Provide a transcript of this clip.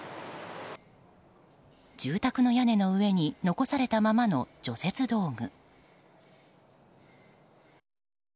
住宅の屋根の上に残されたままの除雪道具。